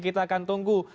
kita akan tunggu